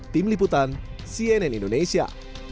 tim liputan cnn indonesia